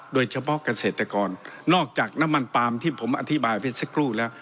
โดยเฉพาะเกษตรกรนอกจากน้ำมันปลามที่ผมอธิบายไปสักครู่แล้ว